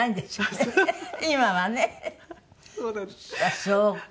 あっそうか。